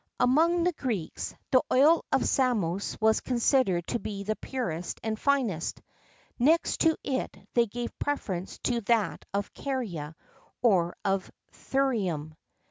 [XII 18] Among the Greeks, the oil of Samos was considered to be the purest and finest:[XII 19] next to it they gave preference to that of Caria or of Thurium.